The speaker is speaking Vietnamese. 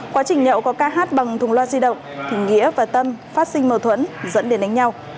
quá trình nhậu có ca hát bằng thùng loa di động thì nghĩa và tâm phát sinh mâu thuẫn dẫn đến đánh nhau